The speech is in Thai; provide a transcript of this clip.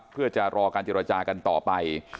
เพื่อจะรอการเจรจากันต่อไป